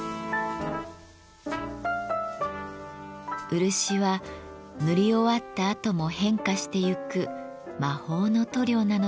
漆は塗り終わったあとも変化してゆく魔法の塗料なのだとか。